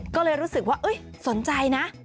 ก็เลยรู้สึกว่าสนใจนะ